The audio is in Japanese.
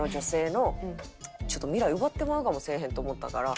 奪ってまうかもせえへんと思ったから。